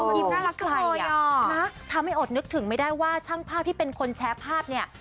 ยิ้มน่ารักเลยนะทำให้อดนึกถึงไม่ได้ว่าช่างภาพที่เป็นคนแชร์ภาพเนี่ย